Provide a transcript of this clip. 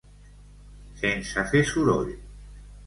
Sense fer soroll.